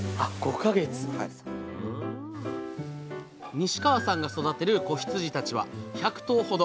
西川さんが育てる子羊たちは１００頭ほど。